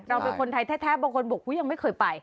เป็นคนไทยแท้บางคนบอกยังไม่เคยไป